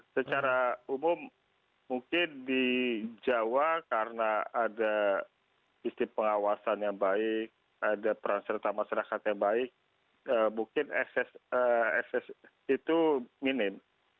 secara umum mungkin di jawa karena ada isi pengawasan yang baik ada peran serta masyarakat yang baik mungkin itu minim